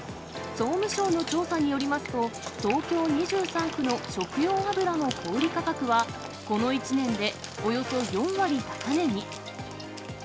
総務省の調査によりますと、東京２３区の食用油の小売り価格は、この１年でおよそ４割高値に。